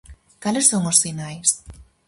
Cales son os sinais?